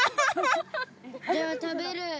じゃあ食べる。